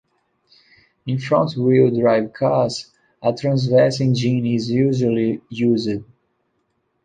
In front-wheel drive cars a transverse engine is usually used.